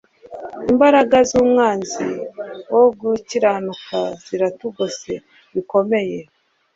imbaraga z'umwanzi wo gukiranuka ziratugose bikomeye